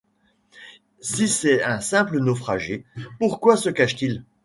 Si c’est un simple naufragé, pourquoi se cache-t-il?